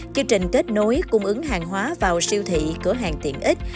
chương trình kết nối cung ứng hàng hóa vào siêu thị cửa hàng tiện ích